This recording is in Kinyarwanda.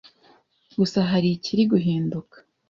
Gusa hari ikiri guhinduka